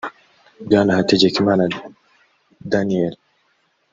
Bwana Hategekimana Daniel